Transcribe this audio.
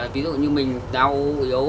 ví dụ như mình đau yếu